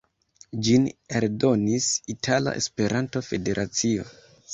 Ĝin eldonis Itala Esperanto-Federacio.